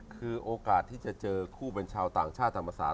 คือโอกาสที่จะเจอคู่เป็นชาวต่างชาติตามภาษา